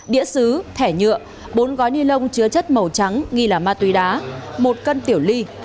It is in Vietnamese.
đĩa xứ thẻ nhựa bốn gói ni lông chứa chất màu trắng nghi là ma túy đá một cân tiểu ly